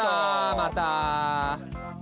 また。